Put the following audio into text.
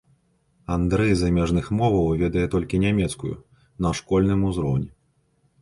Андрэй з замежных моваў ведае толькі нямецкую на школьным узроўні.